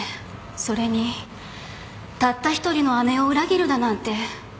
それにたった一人の姉を裏切るだなんて悲し過ぎます。